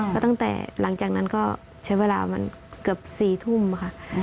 ก็ตั้งแต่หลังจากนั้นก็ใช้เวลามันเกือบ๔ทุ่มค่ะ